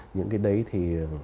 những cái đấy thì